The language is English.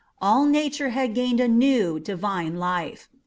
All Nature had regained a new, divine life.